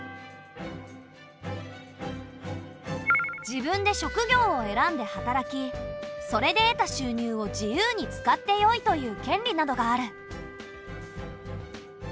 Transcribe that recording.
自分で職業を選んで働きそれで得た収入を自由に使ってよいという権利などがある。